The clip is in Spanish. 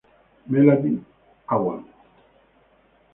Melanie Owen